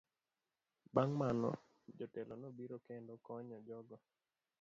Bang' mano, jotelo nobiro kendo konyo jogo.